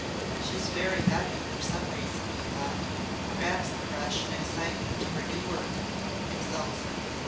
"She is very happy for some reason," he thought. "Perhaps the rush and excitement of her new work exalts her.